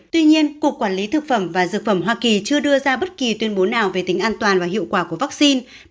tuy nhiên cục quản lý thực phẩm và dược phẩm hoa kỳ chưa đưa ra bất kỳ tuyên bố nào về tính an toàn và hiệu quả của vaccine